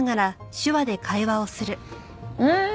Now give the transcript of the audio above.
うん！